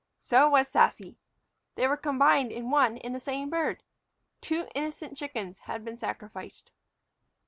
So was Sassy! They were combined in one and the same bird! Two innocent chickens had been sacrificed!